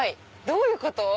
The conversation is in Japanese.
どういうこと？